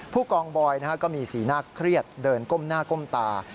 ผู้กองบอยก็มีสีหน้าเครียดเดินก้มหน้าก้มตา